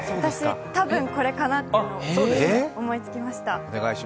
私、多分これかなというの思いつきました。